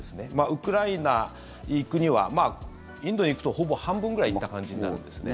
ウクライナに行くにはインドに行くとほぼ半分ぐらい行った感じになるんですね。